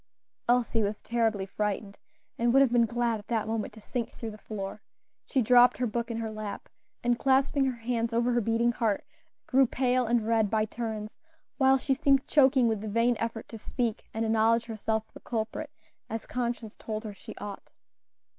Elsie was terribly frightened, and would have been glad at that moment to sink through the floor; she dropped her book in her lap, and clasping her hands over her beating heart, grew pale and red by turns, while she seemed choking with the vain effort to speak and acknowledge herself the culprit, as conscience told her she ought.